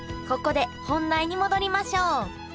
ここで本題に戻りましょう。